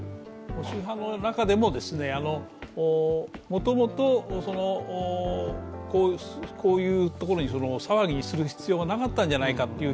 保守派の中でも、もともとこういう騒ぎにする必要もなかったんじゃないかという